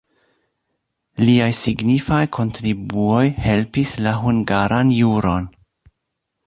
Liaj signifaj kontribuoj helpis la hungaran juron.